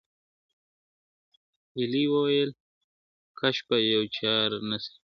هیلۍ وویل کشپه یوه چار سته ..